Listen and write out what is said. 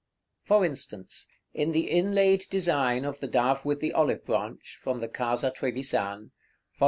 § XXXVIII. For instance, in the inlaid design of the dove with the olive branch, from the Casa Trevisan (Vol.